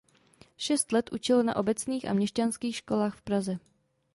Šest let učil na obecných a měšťanských školách v Praze.